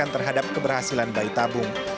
terhadap keberhasilan bayi tabung